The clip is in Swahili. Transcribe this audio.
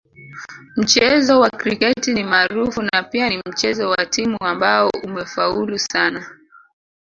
Mchezo wa kriketi ni maarufu na pia ni mchezo wa timu ambao umefaulu sana